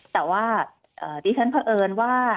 แต่ว่าดิฉันเพราะเอิญว่า